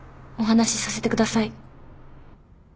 お話しさせてください。